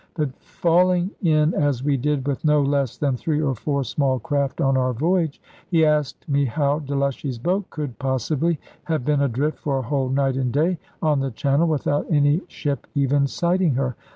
But falling in as we did with no less than three or four small craft on our voyage, he asked me how Delushy's boat could possibly have been adrift for a whole night and day on the channel, without any ship even sighting her.